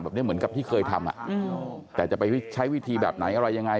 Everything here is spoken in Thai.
เหมือนกับที่เคยทำแต่จะไปใช้วิธีแบบไหนอะไรยังไง